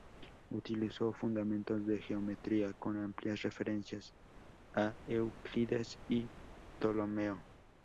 Utilizó fundamentos de geometría, con amplias referencias a Euclides y Tolomeo.